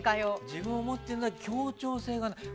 自分を持っているのは協調性がない。